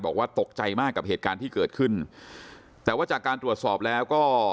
บอกว่าตกใจมากกับเหตุการณ์ที่เกิดขึ้นแต่ว่าจากการตรวจสอบแล้วก็